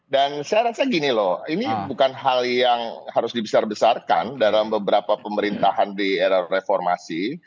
saya rasa gini loh ini bukan hal yang harus dibesar besarkan dalam beberapa pemerintahan di era reformasi